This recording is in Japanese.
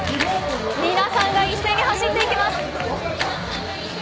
皆さんが一斉に走っていきます。